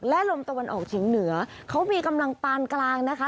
และลมตะวันออกเฉียงเหนือเขามีกำลังปานกลางนะคะ